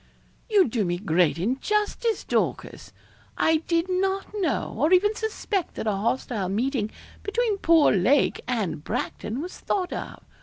'You do me great injustice, Dorcas. I did not know, or even suspect that a hostile meeting between poor Lake and Bracton was thought of.